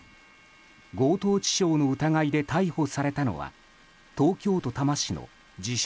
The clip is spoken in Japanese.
強盗致傷の疑いで逮捕されたのは東京都多摩市の自称